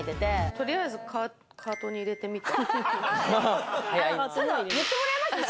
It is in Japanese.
取りあえずカートに入れてみた。